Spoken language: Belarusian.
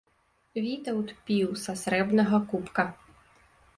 Вітаўт піў са срэбнага кубка.